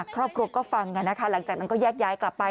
ครอบครัวก็ฟังกันนะคะหลังจากนั้นก็แยกย้ายกลับไป